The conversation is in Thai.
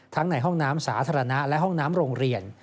ในห้องน้ำสาธารณะและห้องน้ำโรงเรียน